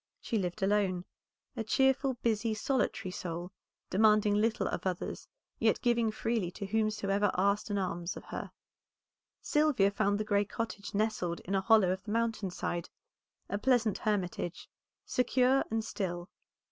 She lived alone, a cheerful, busy, solitary soul, demanding little of others, yet giving freely to whomsoever asked an alms of her. Sylvia found the gray cottage nestled in a hollow of the mountain side; a pleasant hermitage, secure and still.